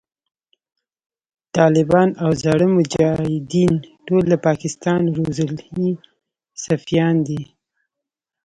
ټالبان او زاړه مجایدین ټول د پاکستان روزلی سفیان دی